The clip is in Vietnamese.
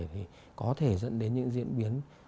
thì có thể dẫn đến những diễn biến